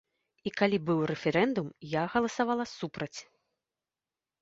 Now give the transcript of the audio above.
І калі быў рэферэндум, я галасавала супраць.